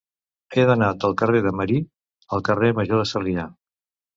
He d'anar del carrer de Marí al carrer Major de Sarrià.